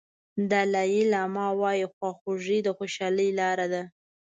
دالای لاما وایي خواخوږي د خوشالۍ لار ده.